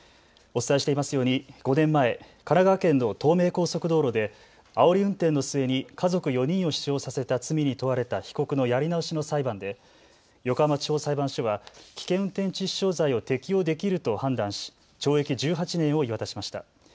お伝えしていますように５年前、神奈川県の東名高速道路であおり運転の末に家族４人を死傷させた罪に問われた被告のやり直しの裁判で横浜地方裁判所は危険運転致死傷罪を適用できると判断し懲役１８年を言い渡しました。